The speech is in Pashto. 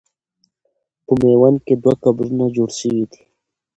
په میوند کې دوه قبرونه جوړ سوي دي.